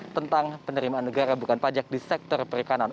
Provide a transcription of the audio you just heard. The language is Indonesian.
tentang penerimaan negara bukan pajak di sektor perikanan